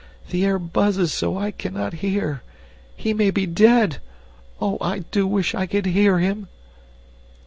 "The air buzzes so I cannot hear. He may be dead! Oh, I do wish I could hear him!"